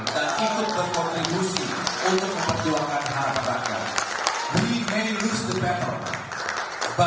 dan itu berkontribusi untuk memperjuangkan harga harga